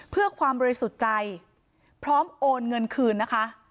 เพื่อความบริสุทธิ์ใจพร้อมโอนเงินคืนนะคะ